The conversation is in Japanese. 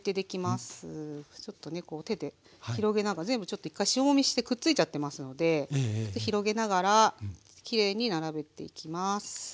ちょっとねこう手で広げながら全部ちょっと一回塩もみしてくっついちゃってますので広げながらきれいに並べていきます。